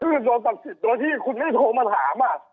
คือโดยที่คุณไม่โทรมาถาม